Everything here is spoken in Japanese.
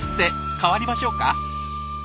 代わりましょうか？